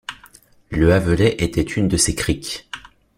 Le Havelet était une de ces criques.